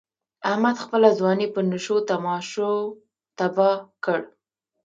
احمد خپله ځواني په نشو تماشو تباه کړ.